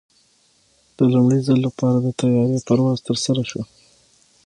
د لومړي ځل لپاره د طیارې پرواز ترسره شو.